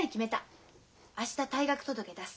明日退学届出す。